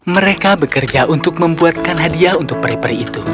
mereka bekerja untuk membuatkan hadiah untuk peri peri itu